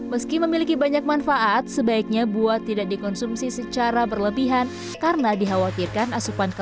meski memiliki banyak manfaat sebaiknya buah tidak dikonsumsi secara langsung